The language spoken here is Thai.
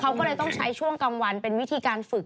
เขาก็เลยต้องใช้ช่วงกลางวันเป็นวิธีการฝึก